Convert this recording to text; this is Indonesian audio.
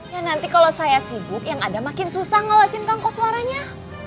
ya nanti kalau saya sibuk yang ada makin susah ngawasin kangku suaranya